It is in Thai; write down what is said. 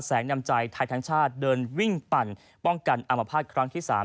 แสงนำใจไทยทางชาติเดินวิ่งปั่นป้องกันอามภาพครั้งที่สาม